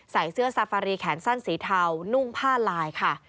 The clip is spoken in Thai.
ใส่เสื้อซาฟารีแขนสั้นสีเทานุ่งผ้าลายค่ะ